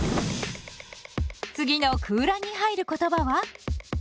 次の空欄に入る言葉は？